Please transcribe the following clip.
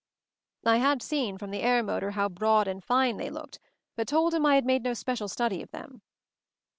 I had seen from the air motor how broad and fine they looked, but told him I had made no special study of them.